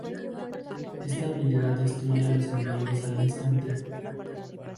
Esta habilidad destruye a los enemigos al instante.